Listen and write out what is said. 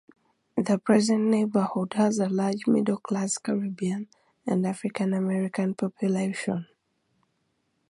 The present neighborhood has a large middle class Caribbean and African American population.